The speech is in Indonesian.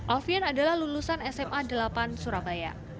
alfian adalah lulusan sma delapan surabaya